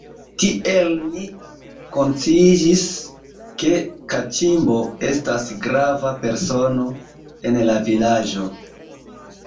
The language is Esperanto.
Tiel ni konsciiĝis, ke Kaĉimbo estas grava persono en la vilaĝo.